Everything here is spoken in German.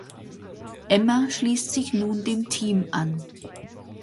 Emma schließt sich nun dem Team an.